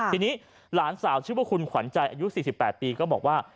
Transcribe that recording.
ทีนี้หลานสาวชื่อว่าคุณขวัญใจอายุ๔๘ปีก็บอกว่า